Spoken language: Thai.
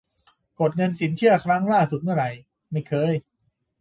- กดเงินสินเชื่อครั้งล่าสุดเมื่อไหร่ : ไม่เคย